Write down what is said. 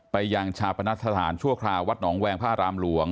ไปยางชาปนัสธรรณชั่วคราวัดหนองแวงพระอารามหลวง